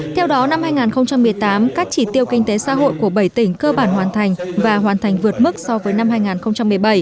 theo đó năm hai nghìn một mươi tám các chỉ tiêu kinh tế xã hội của bảy tỉnh cơ bản hoàn thành và hoàn thành vượt mức so với năm hai nghìn một mươi bảy